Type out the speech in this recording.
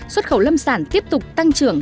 xuất khẩu lâm sản tiếp tục tăng trưởng